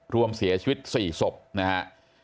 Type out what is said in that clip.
รวมเสียชีวิต๔ศพนะฮะ